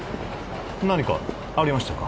何かありましたか？